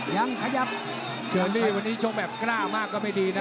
ยังขยับเชอรี่วันนี้ชกแบบกล้ามากก็ไม่ดีนะ